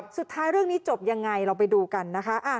เรื่องนี้จบยังไงเราไปดูกันนะคะ